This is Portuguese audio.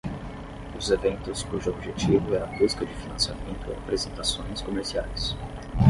Os eventos cujo objetivo é a busca de financiamento ou apresentações comerciais.